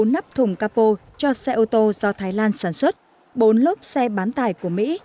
bốn nắp thùng capo cho xe ô tô do thái lan sản xuất bốn lốp xe bán tải của mỹ